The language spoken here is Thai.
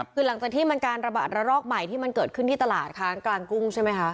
คือหลังจากที่มันการระบาดระลอกใหม่ที่มันเกิดขึ้นที่ตลาดค้างกลางกุ้งใช่ไหมคะ